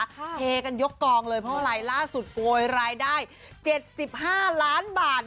เทกันยกกองเลยเพราะอะไรล่าสุดโกยรายได้๗๕ล้านบาท